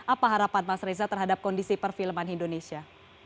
apa harapan mas reza terhadap kondisi perfilman indonesia